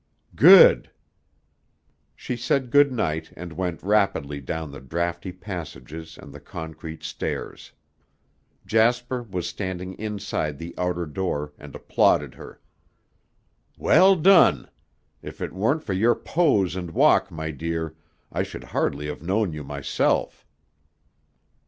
"Good!" She said good night and went rapidly down the draughty passages and the concrete stairs. Jasper was standing inside the outer door and applauded her. "Well done. If it weren't for your pose and walk, my dear, I should hardly have known you myself."